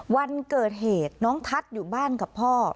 วันเกิดเหตุน้องทัศน์อยู่บ้านกับพ่อ